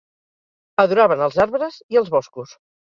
Adoraven els arbres i els boscos.